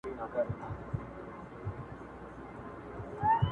o بې نصيبه خواړه گران دي.